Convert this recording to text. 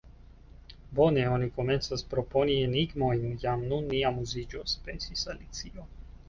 "Bone, oni komencas proponi enigmojn: jam nun ni amuziĝos," pensis Alicio.